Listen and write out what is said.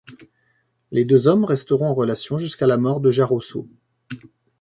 Les deux hommes resteront en relation jusqu'à la mort de Jarosseau.